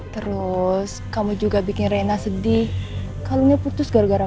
terus kamu juga bikin reina sedih kalaunya putus gara gara